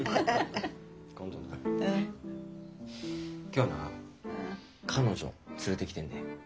今日な彼女連れてきてんで。